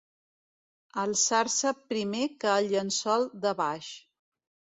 Alçar-se primer que el llençol de baix.